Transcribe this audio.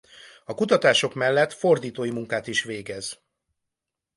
A kutatások mellett fordítói munkát is végez.